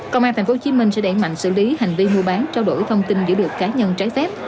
công an tp hcm sẽ đẩy mạnh xử lý hành vi mua bán trao đổi thông tin giữ được cá nhân trái phép